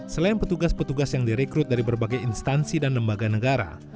selain petugas petugas yang direkrut dari berbagai instansi dan lembaga negara